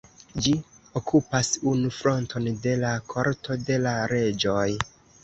Ĝi okupas unu fronton de la Korto de la Reĝoj.